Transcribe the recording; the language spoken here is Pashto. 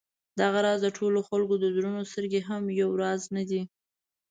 دغه راز د ټولو خلکو د زړونو سترګې هم یو راز نه دي.